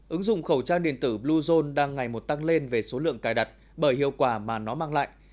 ứng dụng khẩu trang điện tử bluezone đang ngày một tăng lên về số lượng cài đặt bởi hiệu quả mà nó mang lại